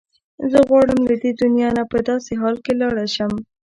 زه غواړم له دې دنیا نه په داسې حال کې لاړه شم.